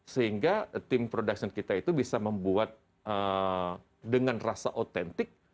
sehingga tim production kita itu bisa membuat dengan rasa otentik